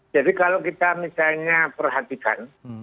kalau kita misalnya perhatikan